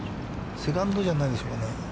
セカンドじゃないでしょうかね。